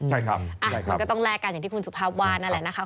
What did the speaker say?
ใช่ครับใช่ครับอ่ะคุณก็ต้องแลกกันอย่างที่คุณสุภาพวาดนั่นแหละนะคะ